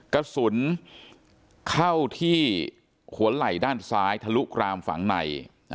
กระสุนเข้าที่หัวไหล่ด้านซ้ายทะลุกรามฝั่งใน